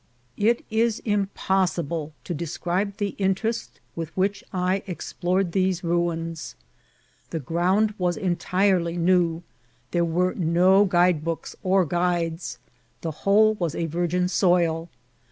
It is impossible to describe the interest with which I explored these ruins. The ground was entirely new ; there were no guide books or guides ; the whole was a virgin soil.